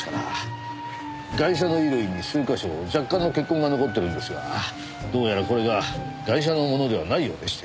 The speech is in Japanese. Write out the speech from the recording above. ガイシャの衣類に数か所若干の血痕が残ってるんですがどうやらこれがガイシャのものではないようでして。